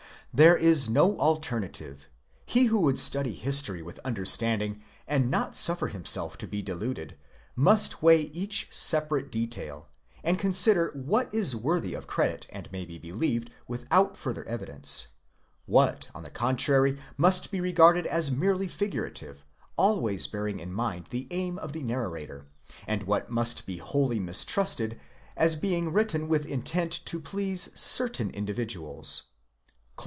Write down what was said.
'There is no alternative: he who would study history with understanding, and not suffer himself to be deluded, must weigh each separate detail, and consider what is worthy of credit and may be believed without turther evidence ; what, on the contrary, must be regarded as merely figura tive ; (τίνα δὲ τροπολογήσει) always bearing in mind the aim of the narrator— and what must be wholly mistrusted as being written with intent to please certain individuals."